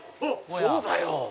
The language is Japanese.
そうだよ。